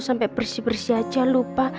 sampai bersih bersih aja lupa